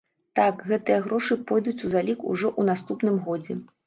Так, гэтыя грошы пойдуць у залік ўжо ў наступным годзе.